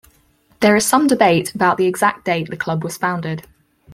There is some debate about the exact date the club was founded.